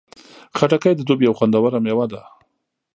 خټکی د دوبی یو خوندور میوه ده.